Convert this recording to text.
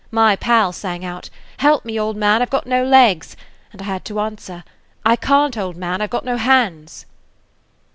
My pal sang out, 'Help me, old man; I 've got no legs!' and I had to answer, 'I can't, old man; I've got no hands!'"